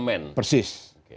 bagian daripada persis